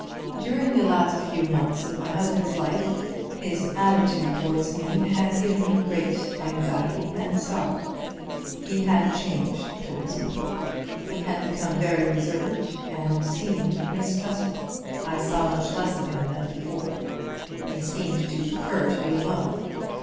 During the last few months of my husband's life his attitude towards me had given me great anxiety and sorrow. He had changed towards me; he had become very reserved and seemed mistrustful. I saw much less of him than before; he seemed to prefer to be alone.